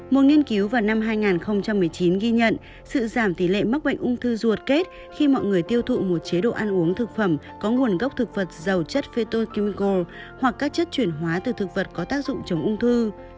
một nghiên cứu vào năm hai nghìn một mươi chín ghi nhận sự giảm tỷ lệ mắc bệnh ung thư ruột kết khi mọi người tiêu thụ một chế độ ăn uống thực phẩm có nguồn gốc thực vật giàu chất pheto kingyco hoặc các chất chuyển hóa từ thực vật có tác dụng chống ung thư